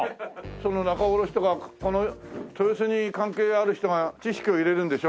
その仲卸とかこの豊洲に関係ある人が知識を入れるんでしょ？